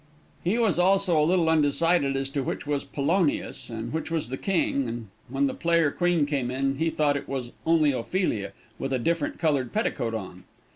He was also a little undecided as to which was Polonius, and which was the king, and when the player queen came on, he thought it was only Ophelia, with a different colored petticoat on.